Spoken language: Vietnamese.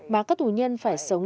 mà các tù nhân phải sống trong